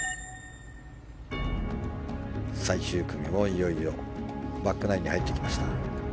最終組も、いよいよバックナインに入ってきました。